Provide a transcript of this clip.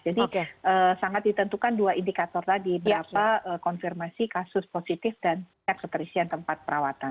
jadi sangat ditentukan dua indikator lagi beberapa konfirmasi kasus positif dan keterisian tempat perawatan